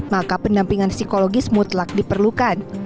maka pendampingan psikologis mutlak diperlukan